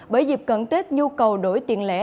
bởi dịp cận tết nhu cầu đổi tiền lẻ